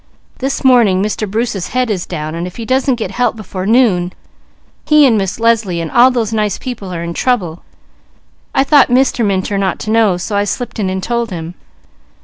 This morning Mr. Bruce's head is down, and if he doesn't get help before noon, he and Miss Leslie and all those nice people are in trouble. I thought Mr. Minturn ought to know, so I slipped in and told him."